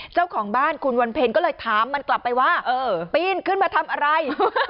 เจ้าของบ้านคุณวันเพ็ญก็เลยถามมันกลับไปว่าปีนขึ้นมาทำอะไร